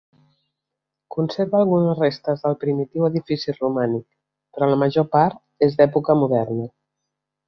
Conserva algunes restes del primitiu edifici romànic, però la major part és d'època moderna.